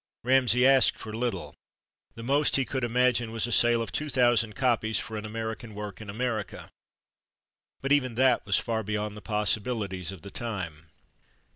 Ramsay asked for little; the most he could imagine was a sale of 2,000 copies for an American work in America. But even that was far beyond the possibilities of the time.